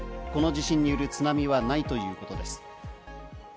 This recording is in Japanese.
この地震による津波はないということです。